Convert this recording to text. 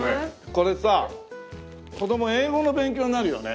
これさ子供英語の勉強になるよね。